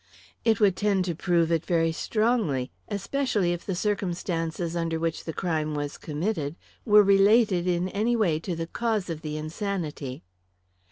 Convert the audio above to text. "It would tend to prove it very strongly; especially if the circumstances under which the crime was committed were related in any way to the cause of the insanity."